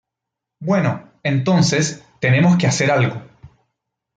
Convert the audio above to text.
Bueno, entonces, tenemos que hacer algo.